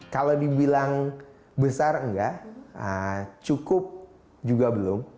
kalau dibilang besar enggak cukup juga belum